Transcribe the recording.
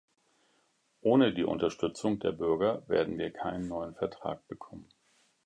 Ohne die Unterstützung der Bürger werden wir keinen neuen Vertrag bekommen.